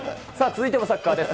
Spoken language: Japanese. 続いてもサッカーです。